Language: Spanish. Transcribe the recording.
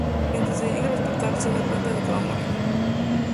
Mientras se dirige al hospital, se da cuenta de que va a morir.